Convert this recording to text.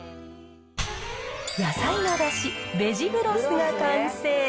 野菜のだし、ベジブロスが完成。